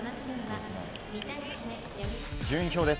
順位表です。